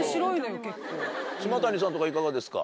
島谷さんとかいかがですか？